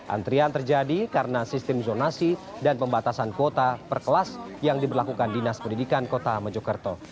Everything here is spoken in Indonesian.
antrian terjadi karena sistem zonasi dan pembatasan kuota per kelas yang diberlakukan dinas pendidikan kota mojokerto